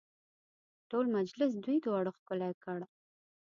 ټول مجلس دوی دواړو ښکلی کړ.